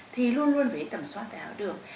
thì luôn luôn phải tầm soát đáy áo đường